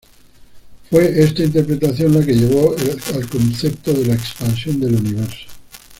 Fue esta interpretación la que llevó al concepto de la expansión del universo.